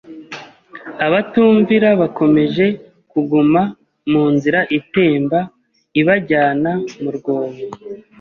abatumvira bakomeje kuguma mu nzira itemba ibajyana mu rwobo.